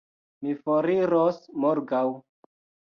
Mi foriros morgaŭ.